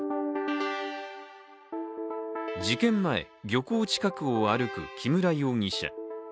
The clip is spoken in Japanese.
事件前、漁港近くを歩く木村容疑者。